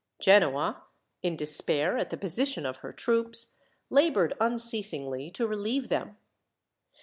Genoa, in despair at the position of her troops, laboured unceasingly to relieve them.